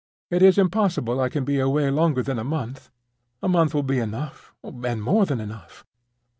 It is impossible I can be away longer than a month; a month will be enough and more than enough.